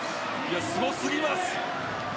すごすぎます。